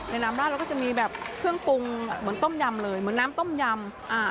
น้ำราดเราก็จะมีแบบเครื่องปรุงเหมือนต้มยำเลยเหมือนน้ำต้มยำอ่า